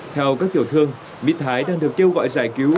theo các tiểu thương bị thái đang được kêu gọi giải cứu